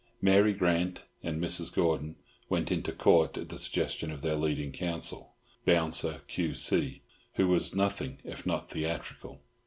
Mary Grant and Mrs. Gordon went into Court at the suggestion of their leading Counsel, Bouncer, Q.C., who was nothing if not theatrical.